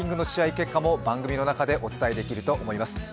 結果も番組の中でお伝えできると思います。